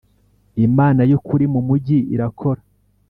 Imana y’ ukuri mu mugi irakora.